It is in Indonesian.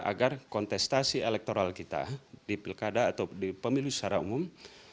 agar kontestasi elektoral kita di pilkada atau di pemilu secara umum